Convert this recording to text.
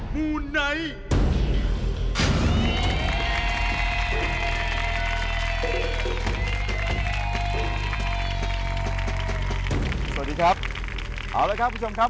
มูไนท์